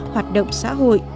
hoạt động xã hội